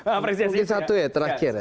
apresiasi itu ya terakhir ya